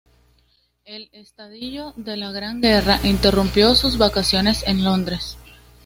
El estallido de la Gran Guerra interrumpió sus vacaciones en Londres.